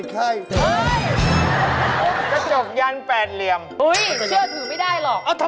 กระจกยัน๘เหลี่ยมถูกที่เป็นหยายเลือก